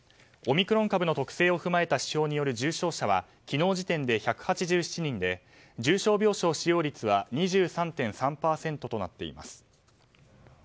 オミクロン株の特性を踏まえた指標による重症者は昨日時点で１８７人で重症病床使用率は２３．３％となっています。